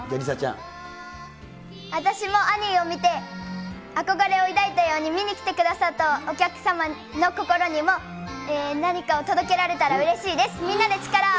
私もアニーを見て、憧れを抱いたように、見に来てくださったお客様の心にも何かを届けられたらうれしいです。